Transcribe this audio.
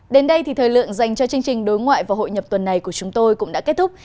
đến đây thì thời lượng dành cho chương trình đối ngoại và hội nhập tuần này của chúng tôi cũng đã kết thúc